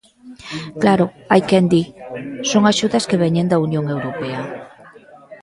Claro, hai quen di: son axudas que veñen da Unión Europea.